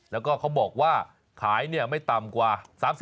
แล้วก็เขาบอกว่าขายเนี่ยไม่ต่ำกว่า